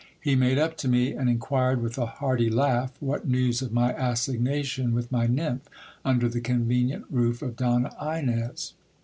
He made up to me, and in quired, with a hearty laugh, what news of my assignation with my nymph, under the convenient roof of Donna Inez.